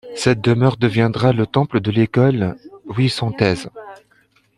Cette demeure deviendra le temple de l'école wissantaise.